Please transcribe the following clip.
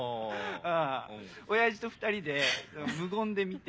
親父と２人で無言で見て。